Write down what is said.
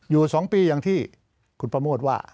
อยู่๒ปีอย่างที่คุณประโมทว่า